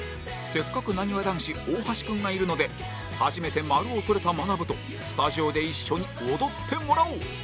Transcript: せっかくなにわ男子大橋君がいるので初めて○を取れたまなぶとスタジオで一緒に踊ってもらおう！